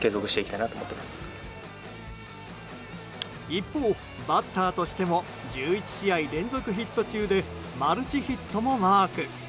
一方、バッターとしても１１試合連続ヒット中でマルチヒットもマーク。